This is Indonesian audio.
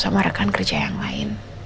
sama rekan kerja yang lain